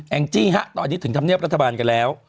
งจี้ฮะตอนนี้ถึงธรรมเนียบรัฐบาลกันแล้ว